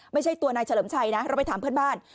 ไม่ใช่ตัวนายเฉลิมชัยนะเราไปถามเพื่อนบ้าน